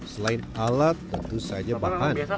selain alat tentu saja bahan